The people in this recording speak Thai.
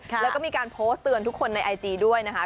แล้วก็มีการโพสต์เตือนทุกคนในไอจีด้วยนะคะ